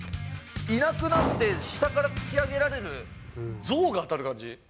いなくなって下から突き上げられる、象が当たる感じ。